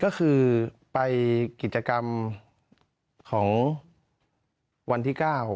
ก็คือไปกิจกรรมของวันที่๙